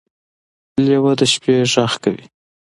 لیوه د شپې غږ کوي.